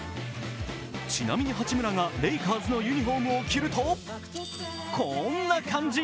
ちなみに八村がレイカーズのユニフォームを着ると、こんな感じ！